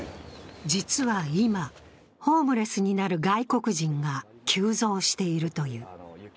実は今、ホームレスになる外国人が急増しているという。